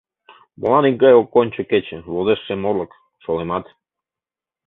Молан икгай ок ончо кече, Возеш шем орлык — шолемат?